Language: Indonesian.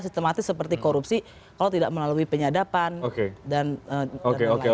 sistematis seperti korupsi kalau tidak melalui penyadapan dan lain lain